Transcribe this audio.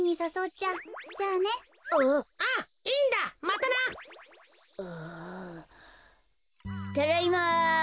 ただいま。